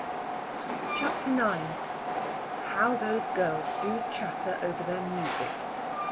CHAPTER IX HOW THOSE GIRLS DO CHATTER OVER THEIR MUSIC!